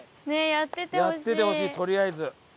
やっててほしいとりあえず。